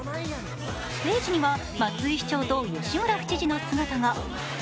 ステージには松井市長と吉村府知事の姿が。